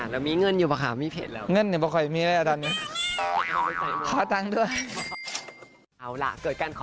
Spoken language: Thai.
แล้วมีเงินอยู่ป่ะค่ะมีเพจแล้ว